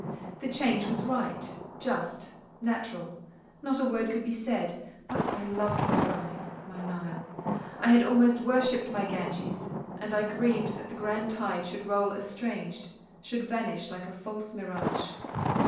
The change was right, just, natural; not a word could be said: but I loved my Rhine, my Nile; I had almost worshipped my Ganges, and I grieved that the grand tide should roll estranged, should vanish like a false mirage.